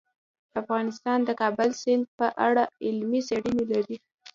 افغانستان د د کابل سیند په اړه علمي څېړنې لري.